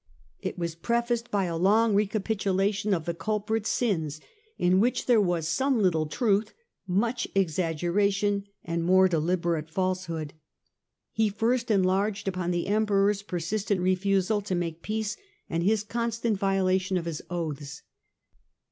It was prefaced by a long recapitulation of the cul prit's sins, in which there was some little truth, much exag geration and more deliberate falsehood. He first enlarged upon the Emperor's persistent refusal to make peace and his constant violation of his oaths.